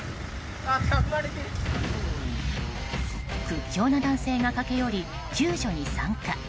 屈強な男性が駆け寄り救助に参加。